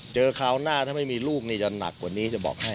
คราวหน้าถ้าไม่มีลูกนี่จะหนักกว่านี้จะบอกให้